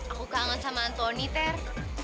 aku kangen sama anthony ter